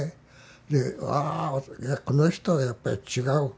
で「わあこの人はやっぱり違う。